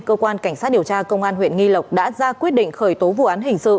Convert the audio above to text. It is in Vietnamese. cơ quan cảnh sát điều tra công an huyện nghi lộc đã ra quyết định khởi tố vụ án hình sự